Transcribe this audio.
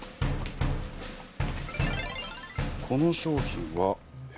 この商品はえ。